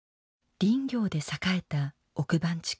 林業で栄えた奥番地区。